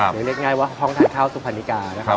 หรือเรียกง่ายว่าห้องทานข้าวสุพรรณิกา